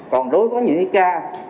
còn đối với những ca